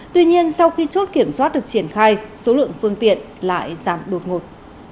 tuy nhiên sau khi chốt kiểm soát được triển khai số lượng phương tiện lại giảm đột ngột